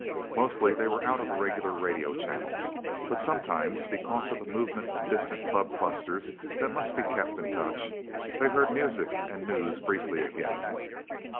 Mostly, they were out of the regular radio channels. But sometimes, because of the movement of distant bubb clusters that must be kept in touch, they heard music and news briefly, again.